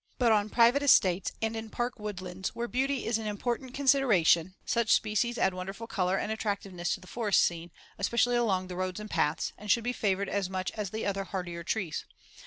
But on private estates and in park woodlands where beauty is an important consideration, such species add wonderful color and attractiveness to the forest scene, especially along the roads and paths, and should be favored as much as the other hardier trees.